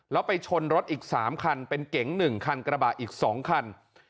แล้วไปชนรถอีกสามคันเป็นเก๋งหนึ่งคันกระบาอีกสองคัน